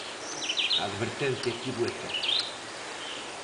A advertencia tivo efecto.